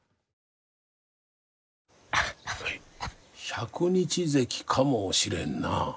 百日ぜきかもしれんな。